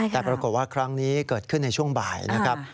แต่ปรากฏว่าครั้งนี้เกิดขึ้นในช่วงบ่ายนะครับ